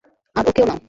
আর ওকেও নাও।